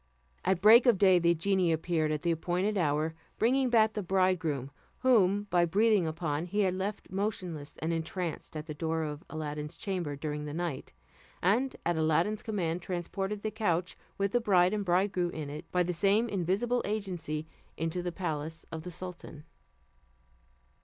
At break of day, the genie appeared at the appointed hour, bringing back the bridegroom, whom by breathing upon he had left motionless and entranced at the door of Aladdin's chamber during the night, and at Aladdin's command transported the couch with the bride and bridegroom on it, by the same invisible agency, into the palace of the sultan.